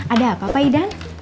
ada apa pak idan